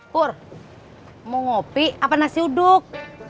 pur mau kopi apa nasi uduk